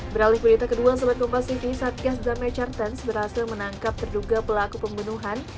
beralih berita kedua sobat kompas tv saat gasdarmai chartens berhasil menangkap terduga pelaku pembunuhan